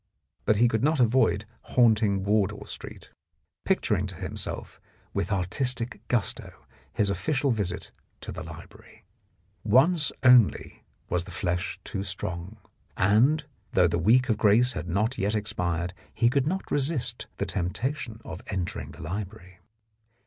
But he could not avoid haunting Wardour Street, picturing to himself 42 The Blackmailer of Park Lane with artistic gusto his official visit to the library. Once only was the flesh too strong, and, though the week of grace had not yet expired, he could not resist the temptation of entering the library.